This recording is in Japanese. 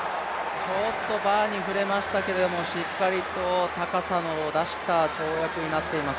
ちょっとバーに触れましたけれども、しっかりと高さを出した跳躍になっています。